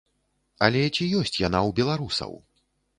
Але ці ёсць яна ў беларусаў?